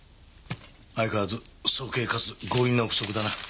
相変わらず早計かつ強引な憶測だな。